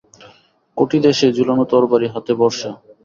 কটিদেশে ঝুলানো তরবারি, হাতে বর্শা।